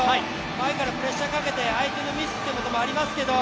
前からプレッシャーかけて、相手のミスっていうこともありますけど